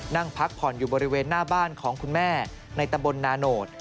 นั่งพักผ่อนอยู่บริเวณหน้าบ้านของคุณแม่ในตำบลนาโนธ